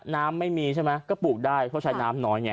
น้ำไม่มีใช่ไหมก็ปลูกได้เพราะใช้น้ำน้อยไง